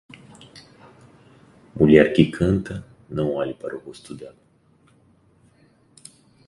Mulher que canta, não olhe para o rosto dela.